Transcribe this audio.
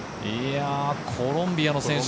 コロンビアの選手。